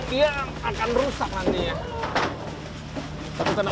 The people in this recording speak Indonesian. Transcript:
dia akan rusak nantinya